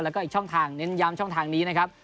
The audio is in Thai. แล้วก็อีกช่องทางเน้นย้ำช่องทางนี้นะครับ